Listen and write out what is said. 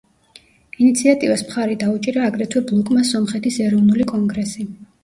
ინიციატივას მხარი დაუჭირა აგრეთვე ბლოკმა სომხეთის ეროვნული კონგრესი.